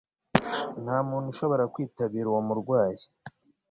Nta muntu ushobora kwitabira uwo murwayi